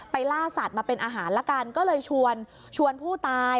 ล่าสัตว์มาเป็นอาหารละกันก็เลยชวนชวนผู้ตาย